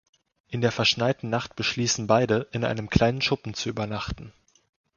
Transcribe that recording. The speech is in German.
In der verschneiten Nacht beschließen beide, in einem kleinen Schuppen zu übernachten.